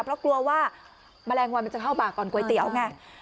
เพราะกลัวว่าแมลงวันมันจะเข้าปากก่อนก๋วยเตี๋ยวไง